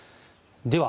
では